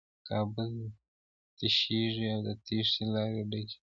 کابل تشېږي او د تېښې لارې ډکې دي.